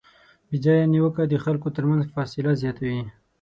بېځایه نیوکه د خلکو ترمنځ فاصله زیاتوي.